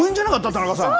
田中さん。